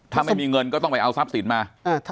ถ้าไม่มีเงินก็ต้องไปเอาทรัพย์สินมา